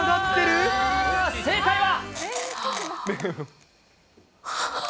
正解は。